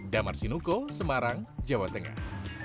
damar sinuko semarang jawa tengah